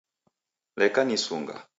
Leka nisunga